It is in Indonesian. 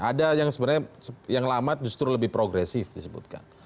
ada yang sebenarnya yang lama justru lebih progresif disebutkan